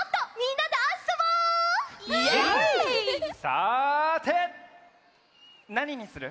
さてなににする？